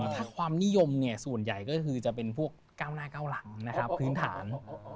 ถ้าความนิยมส่วนใหญ่ก็คือจะเป็นพวกก้าวหน้าก้าวหลังนะครับพื้นฐาน